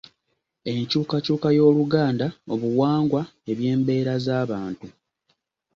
Enkyukakyuka y’Oluganda: obuwangwa, ebyembeera z’abantu